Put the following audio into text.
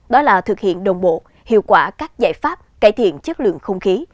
đó là thực hiện đồng bộ hiệu quả các giải pháp cải thiện chất lượng không khí